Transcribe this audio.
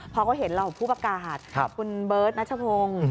พอเขาเห็นเหล่าผู้ประกาศคุณเบิร์ตนัชพงศ์